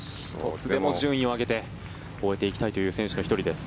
１つでも順位を上げて終えていきたいという選手の１人です。